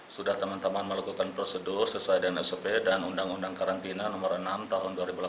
sudah teman teman melakukan prosedur sesuai dengan sop dan undang undang karantina nomor enam tahun dua ribu delapan belas